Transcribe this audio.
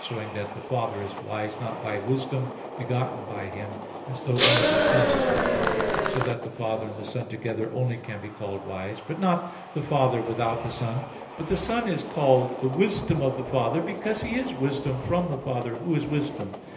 vi, 2), showing that the Father is wise, not by Wisdom begotten by Him, as though only the Son were Wisdom; so that the Father and the Son together only can be called wise, but not the Father without the Son. But the Son is called the Wisdom of the Father, because He is Wisdom from the Father Who is Wisdom.